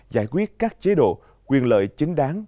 giải quyết các chế độ quyền lợi chính đáng